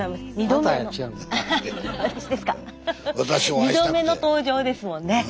２度目の登場ですもんね。